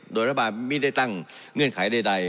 โดยรัฐบาลไม่ได้ตั้งเงื่อนไขใด